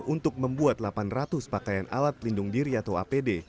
untuk membuat delapan ratus pakaian alat pelindung diri atau apd